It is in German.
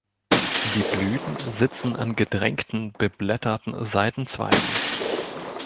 Die Blüten sitzen an gedrängten, beblätterten Seitenzweigen.